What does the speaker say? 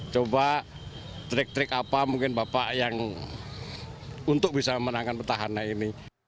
coba trik trik apa mungkin bapak yang untuk bisa memenangkan petahana ini